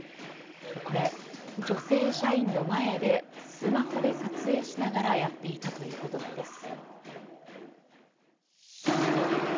これ、女性社員の前でスマホで撮影しながらやっていたということなんです。